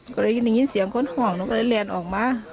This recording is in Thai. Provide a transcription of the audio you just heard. ก็เลยยินเสียงคนห่องนักละแลนด์ออกมา